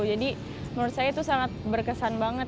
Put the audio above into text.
jadi menurut saya itu sangat berkesan banget